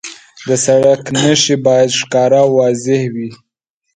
د سړک نښې باید ښکاره او واضح وي.